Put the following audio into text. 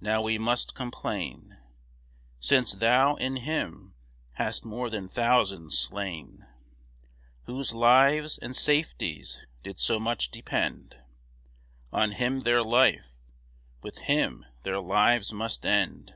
Now we must complain, Since thou, in him, hast more than thousands slain, Whose lives and safeties did so much depend On him their life, with him their lives must end.